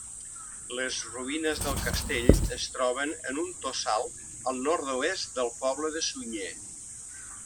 Les ruïnes del castell es troben en un tossal al nord-oest del poble de Sunyer.